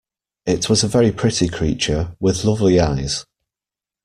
It was a very pretty creature, with lovely eyes.